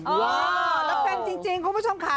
ว้าวแล้วเป็นจริงคุณผู้ชมค่ะ